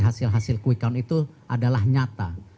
hasil hasil kuikaun itu adalah nyata